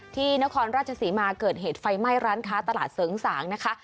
นครราชศรีมาเกิดเหตุไฟไหม้ร้านค้าตลาดเสริงสางนะคะ